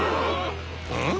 うん？